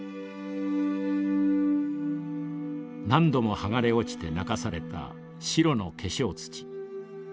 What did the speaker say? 何度も剥がれ落ちて泣かされた白の化粧土。